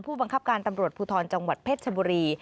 ผู้บังคับการตำรวจภูทรจังหวัดเพชรชบุรี